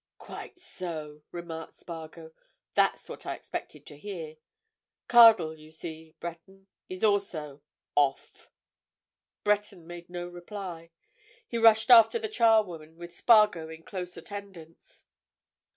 "Quite so," remarked Spargo. "That's what I expected to hear. Cardlestone, you see, Breton, is also—off!" Breton made no reply. He rushed after the charwoman, with Spargo in close attendance.